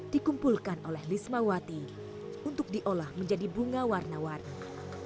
dikumpulkan oleh lismawati untuk diolah menjadi bunga warna warna